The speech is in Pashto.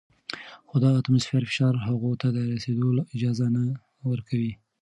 خو د اتموسفیر فشار هغوی ته د رسیدو اجازه نه ورکوي.